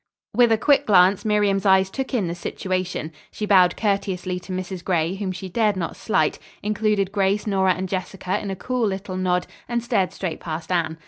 With a quick glance Miriam's eyes took in the situation. She bowed courteously to Mrs. Gray, whom she dared not slight; included Grace, Nora and Jessica in a cool little nod, and stared straight past Anne.